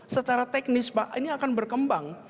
secara teknis pak ini akan berkembang